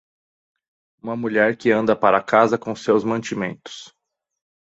Uma mulher que anda para casa com seus mantimentos.